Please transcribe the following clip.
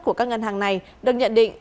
của các ngân hàng này được nhận định